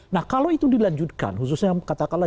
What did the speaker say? nah kalau itu dilanjutkan khususnya yang katakanlah